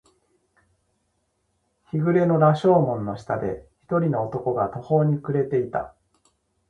日暮れの羅生門の下で、一人の男が途方に暮れていた。